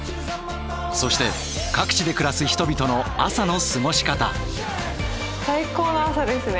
そして各地で暮らす人々の最高の朝ですね。